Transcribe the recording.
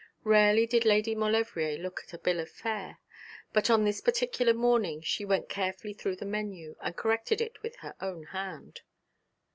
Rarely did Lady Maulevrier look at a bill of fare; but on this particular morning she went carefully through the menu, and corrected it with her own hand.